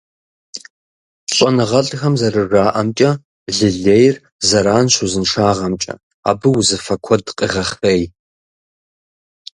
ЩӀэныгъэлӀхэм зэрыжаӀэмкӀэ, лы лейр зэранщ узыншагъэмкӀэ, абы узыфэ куэд къегъэхъей.